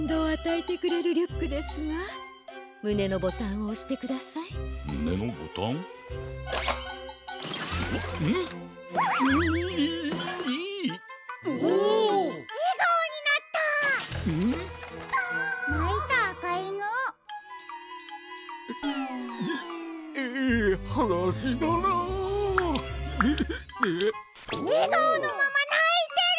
えがおのままないてる！